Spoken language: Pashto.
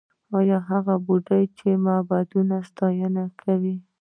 هغه د بودايي معبدونو ستاینه کړې